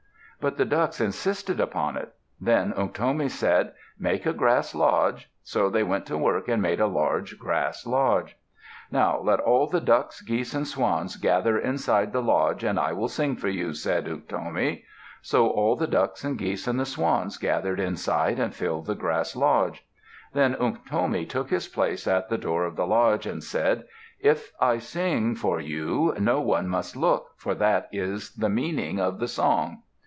But the ducks insisted upon it. Then Unktomi said, "Make a grass lodge." So they went to work and made a large grass lodge. "Now, let all the ducks, geese, and swans gather inside the lodge and I will sing for you," said Unktomi. So all the ducks and the geese and the swans gathered inside and filled the grass lodge. Then Unktomi took his place at the door of the lodge and said, "If I sing for you, no one must look, for that is the meaning of the song."